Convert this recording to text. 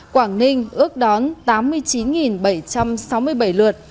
quảng ninh ước đón tám mươi chín bảy trăm sáu mươi bảy lượt